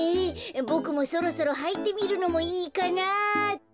ボクもそろそろはいてみるのもいいかなあって。